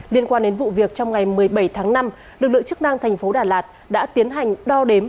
liên quan đến vụ việc trong ngày một mươi bảy tháng năm lực lượng chức năng thành phố đà lạt đã tiến hành đo đếm